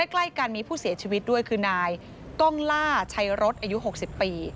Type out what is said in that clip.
ใกล้กันมีผู้เสียชีวิตด้วยคือนายกล้องล่าชัยรถอายุ๖๐ปี